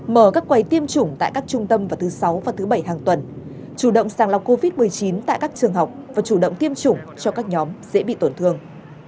mở các quầy tiêm chủng tại các trung tâm vào thứ sáu và thứ bảy hàng tuần chủ động sàng lọc covid một mươi chín tại các trường học và chủ động tiêm chủng cho các nhóm dễ bị tổn thương